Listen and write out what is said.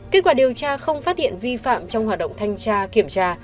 kết quả điều tra không phát hiện vi phạm trong hoạt động thanh tra kiểm tra